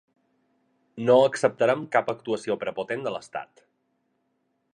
No acceptarem cap actuació prepotent de l’estat.